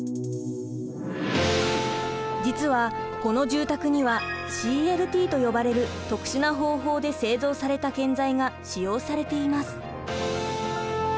実はこの住宅にはＣＬＴと呼ばれる特殊な方法で製造された建材が使用されています。